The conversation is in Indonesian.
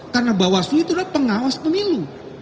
karena bawasnu itu adalah pengawas pemilu